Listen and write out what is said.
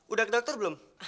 udah ke dokter belum